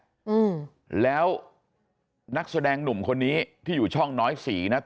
อืมแล้วนักแสดงหนุ่มคนนี้ที่อยู่ช่องน้อยสีนะ